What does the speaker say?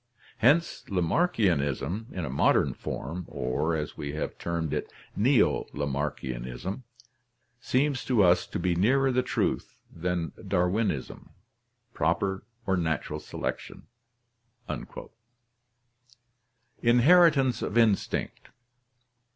Hence Lamarckianism in a modern form, or, as we have termed it, Neo Lamarckianism, seems to us to be nearer the truth than Darwinism proper or natural selection." Inheritance of Instinct.